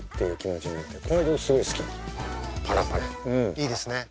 いいですね。